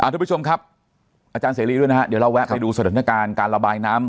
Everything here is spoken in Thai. ทุกผู้ชมครับอาจารย์เสรีด้วยนะฮะเดี๋ยวเราแวะไปดูสถานการณ์การระบายน้ำ